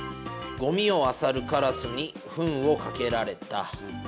ゴミをあさるカラスにふんをかけられた。